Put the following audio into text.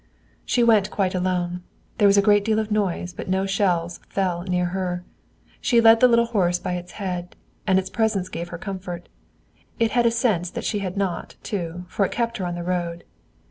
She went quite alone. There was a great deal of noise, but no shells fell near her. She led the little horse by its head, and its presence gave her comfort. It had a sense that she had not, too, for it kept her on the road.